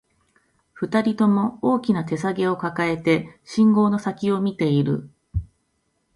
二人とも、大きな手提げを抱えて、信号の先を見ている